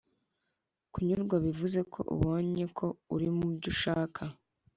kunyurwa bivuze ko ubonye ko urimo ibyo ushaka.